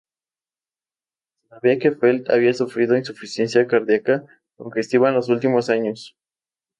Se sabía que Felt había sufrido insuficiencia cardíaca congestiva en los últimos años.